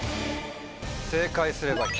正解すれば。